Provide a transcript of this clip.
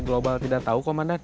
global tidak tahu komandan